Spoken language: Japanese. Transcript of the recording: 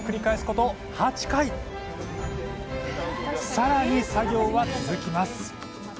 更に作業は続きます。